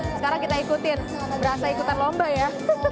sekarang kita ikutin berasa ikutan lomba ya